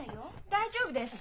大丈夫です。